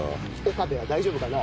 岡部は大丈夫かな？